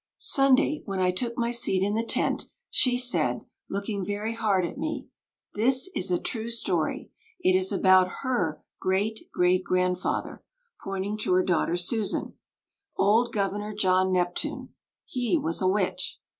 Sunday, when I took my seat in the tent, she said, looking very hard at me, "This is a true story; it is about her great, great grandfather," pointing to her daughter Susan, "Old Governor John Neptune. He was a witch."